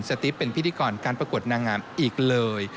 ติ๊บเป็นพิธีกรการประกวดนางงามอีกเลย